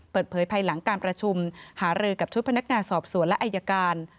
เปิดเผยภายหลังการประชุมหารือกับชุดพนักงานสอบสวนและอายการ